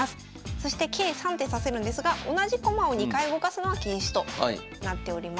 そして計３手指せるんですが同じ駒を２回動かすのは禁止となっております。